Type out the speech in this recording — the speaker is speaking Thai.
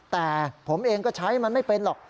แต่ผมเองก็ใช้มันไม่เป็นหรอก